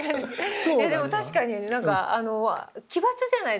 いやでも確かになんかあの奇抜じゃないですか。